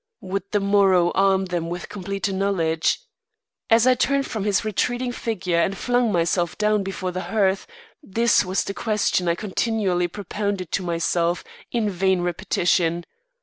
Would the morrow arm them with completer knowledge? As I turned from his retreating figure and flung myself down before the hearth, this was the question I continually propounded to myself, in vain repetition.